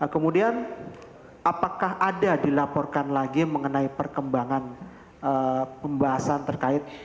kemudian apakah ada dilaporkan lagi mengenai perkembangan pembahasan terkait